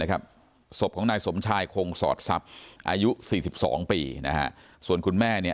ครับศพของนายสมชายคงสอดสัพอายุ๔๒ปีส่วนคุณแม่เนี่ย